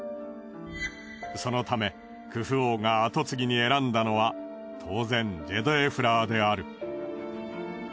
そのためクフ王が跡継ぎに選んだのは当然ジェドエフラーである。